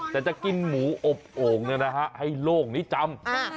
แต่จะกินหมูอบโอ่งให้โลกนี้จำ